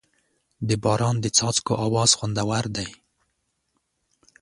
د باران د څاڅکو اواز خوندور دی.